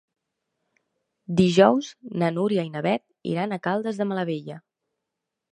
Dijous na Núria i na Beth iran a Caldes de Malavella.